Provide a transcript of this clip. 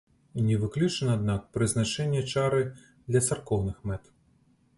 Не выключана, аднак, прызначэнне чары для царкоўных мэт.